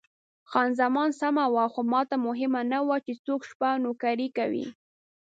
خان زمان سمه وه، خو ماته مهمه نه وه چې څوک شپه نوکري کوي.